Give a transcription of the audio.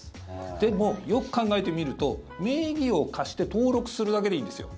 でも、よく考えてみると名義を貸して登録するだけでいいんですよ。